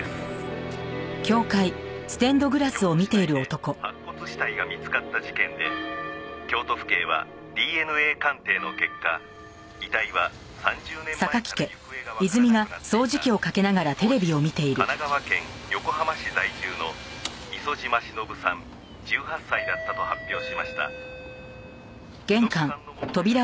「京都市内で白骨死体が見つかった事件で京都府警はＤＮＡ鑑定の結果遺体は３０年前から行方がわからなくなっていた当時神奈川県横浜市在住の磯島忍さん１８歳だったと発表しました」